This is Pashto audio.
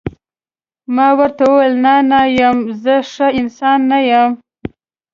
ما ورته وویل: نه، نه یم، زه ښه انسان نه یم.